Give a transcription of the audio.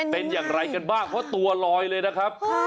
เป็นอย่างไรกันบ้างเพราะตัวลอยเลยนะครับ